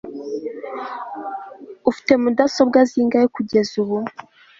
ufite mudasobwa zingahe kugeza ubu